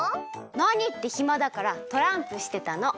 なにってひまだからトランプしてたの。